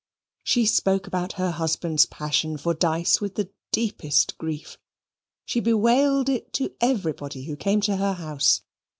She spoke about her husband's passion for dice with the deepest grief; she bewailed it to everybody who came to her house.